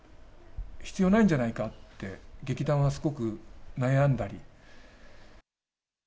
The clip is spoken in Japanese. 必要ないんじゃないかって、劇団はすごく悩んだり。